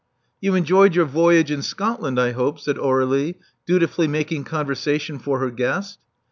You enjoyed your voyage in Scotland, I hope." said Aurelie, dutifully making conversation for her guest.